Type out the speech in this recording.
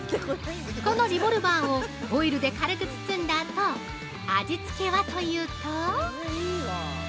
このリボルバーをホイルで軽く包んだあと味付けはというと。